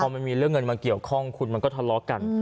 มันมีเรื่องเงินมาเกี่ยวข้องคุณมันก็ทะเลาะกัน